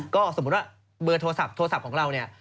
ก็สมมุติว่าเบอร์โทรศัพท์โทรศัพท์ของเราเนี่ย